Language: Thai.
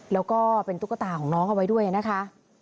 แล้วก็เป็นตุ๊กตาของน้องเอาไว้ด้วยนะคะ